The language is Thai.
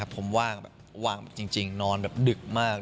ผมว่างว่างจริงนอนดึกมาก